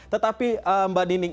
tetapi mbak dining